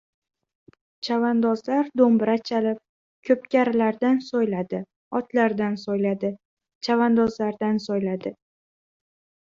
Chavandozlar do‘mbira chalib, ko‘pkarilardan so‘yladi, otlardan so‘yladi, chavandozlardan so‘yladi.